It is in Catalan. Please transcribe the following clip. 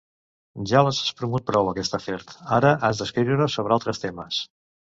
Ja l'has espremut prou, aquest afer: ara has d'escriure sobre altres temes.